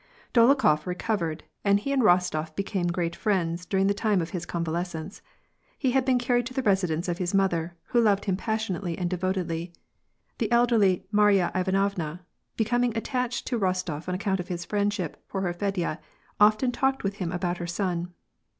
Dolokhof recovered, and he and Rostof became great friends during the time of his convalescence. He had been carried to the residence of his mother, who loved him passionately and devotedly. The elderly Marya Ivanovna, becoming attached to Kostof on account of his friendship for her Fedya, often talked with him about her son.